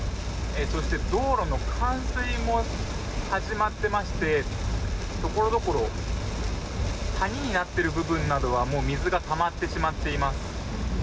そして道路の冠水も始まっていましてところどころ谷になっている部分などはもう水がたまってしまっています。